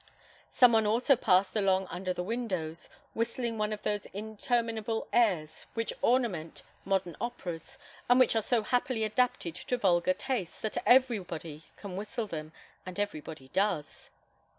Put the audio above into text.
Some one also passed along under the windows, whistling one of those interminable airs which ornament modern operas, and which are so happily adapted to vulgar tastes, that everybody can whistle them, and everybody does.